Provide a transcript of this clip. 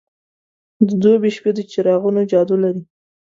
د دوبی شپې د څراغونو جادو لري.